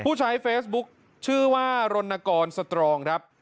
ผู้ใช้เฟซบุ๊คชื่อว่ารณกรสตรองครับ